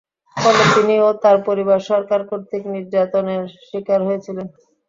ফলে তিনি ও তাঁর পরিবার সরকার কর্তৃক নির্যাতনের শিকার হয়েছিলেন।